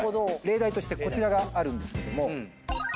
例題としてこちらがあるんですけども。